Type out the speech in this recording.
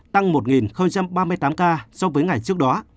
tăng một ba mươi tám ca so với ngày trước đó